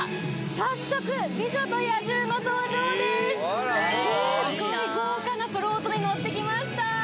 すっごい豪華なフロートに乗ってきました